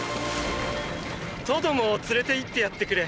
トドも連れて行ってやってくれ。